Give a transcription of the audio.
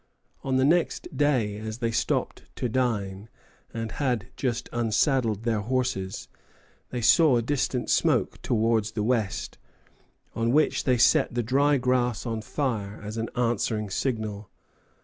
On the next day as they stopped to dine, and had just unsaddled their horses, they saw a distant smoke towards the west, on which they set the dry grass on fire as an answering signal.